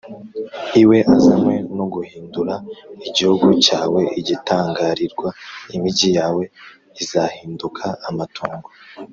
iwe azanywe no guhindura igihugu cyawe igitangarirwa Imigi yawe izahinduka amatongo